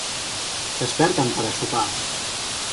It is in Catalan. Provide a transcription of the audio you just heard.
Desperta'm per a sopar...